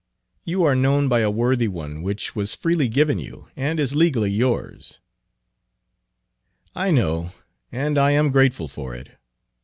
"You are known by a worthy one, which was freely given you, and is legally yours." "I know and I am grateful for it.